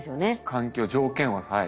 環境条件ははい。